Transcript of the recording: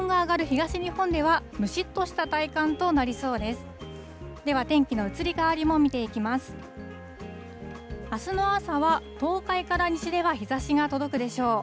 あすの朝は、東海から西では日ざしが届くでしょう。